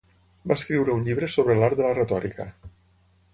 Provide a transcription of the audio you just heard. Va escriure un llibre sobre l'art de la retòrica.